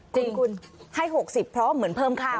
จริงให้๖๐เพราะว่าเหมือนเพิ่มข้าว